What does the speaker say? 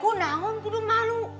aku nangon aku udah malu